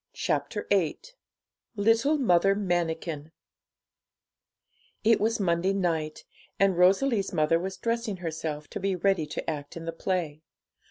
CHAPTER VIII LITTLE MOTHER MANIKIN It was Monday night, and Rosalie's mother was dressing herself, to be ready to act in the play.